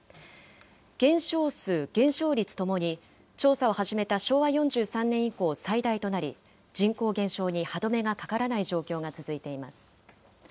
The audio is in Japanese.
減少数、減少率ともに、調査を始めた昭和４３年以降最大となり、人口減少に歯止めがかからない状況が続いています。